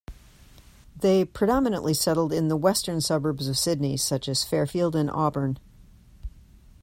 They predominately settled in the western suburbs of Sydney, such as Fairfield and Auburn.